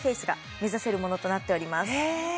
目指せるものとなっております